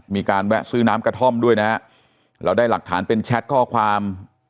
มีการแวะซื้อน้ำกระท่อมด้วยนะฮะเราได้หลักฐานเป็นแชทข้อความ